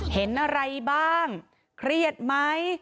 เห็นอะไรบ้างเครียดไหม